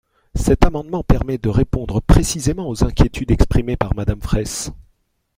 Cet amendement permet de répondre précisément aux inquiétudes exprimées par Madame Fraysse.